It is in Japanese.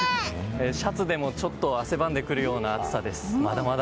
シャツでもちょっと汗ばんでくるような暑さです。